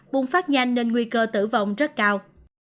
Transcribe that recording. bùng phát nhanh nên nguy cơ tử vong rất cao